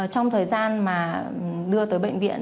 trong thời gian mà đưa tới bệnh viện